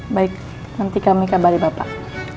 baik nanti kami kabari bapak